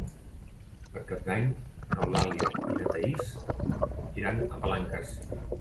Per Cap d'Any n'Eulàlia i na Thaís iran a Palanques.